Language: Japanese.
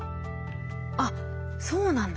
あっそうなんだ。